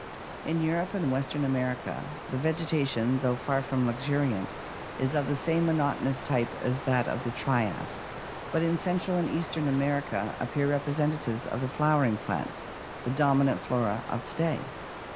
In Europe and western America the vegetation, though far more luxuriant, is of the same monot onous type as that of the Trias; but in central and eastern America appear representatives of the flowering plants, the dominant flora of to day.